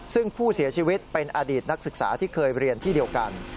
ซึ่งผู้เสียชีวิตเป็นอดีตนักศึกษาที่เคยเรียนที่เดียวกัน